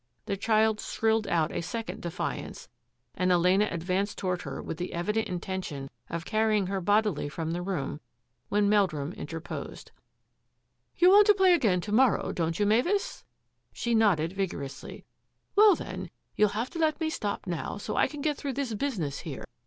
The child shrilled out a second defiance, and Elena advanced toward her with the evident inten tion of carrying her bodily from the room when Meldrum interposed. " You want to play again to morrow, don't you, Mavis ?" She nodded vigorously. " Well, then, you'll have to let me stop now so I can get through with this business here.